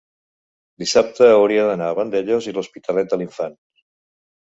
dissabte hauria d'anar a Vandellòs i l'Hospitalet de l'Infant.